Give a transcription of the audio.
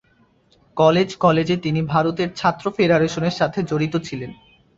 College কলেজে তিনি ভারতের ছাত্র ফেডারেশনের সাথে জড়িত ছিলেন।